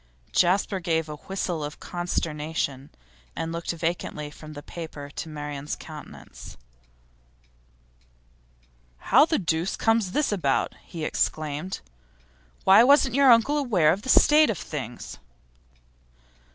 Jasper gave a whistle of consternation, and looked vacantly from the paper to Marian's countenance. 'How the deuce comes this about?' he exclaimed. 'Why, wasn't your uncle aware of the state of things?